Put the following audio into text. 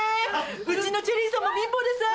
うちのチェリーさんも貧乏でさぁ。